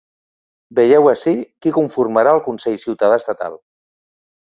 Vegeu ací qui conformarà el consell ciutadà estatal.